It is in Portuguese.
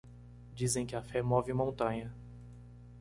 Dizem que a fé move montanha